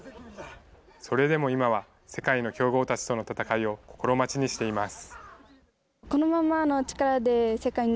それでも今は、世界の強豪たちとの戦いを心待ちにしています。